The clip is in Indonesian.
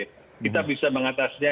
kita bisa mengatasnya